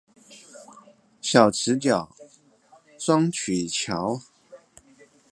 小池角雙曲橋